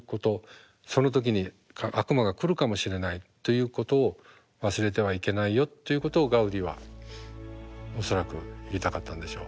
その時に悪魔が来るかもしれないということを忘れてはいけないよということをガウディは恐らく言いたかったんでしょう。